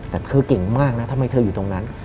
แต่เธอเก่งมากนะทำไมเธออยู่ตรงนั้น